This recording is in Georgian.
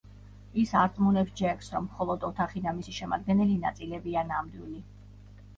ის არწმუნებს ჯეკს რომ მხოლოდ ოთახი და მისი შემადგენელი ნაწილებია ნამდვილი.